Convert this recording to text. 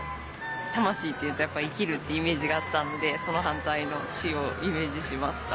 「たましい」というとやっぱり生きるってイメージがあったのでそのはんたいの「し」をイメージしました。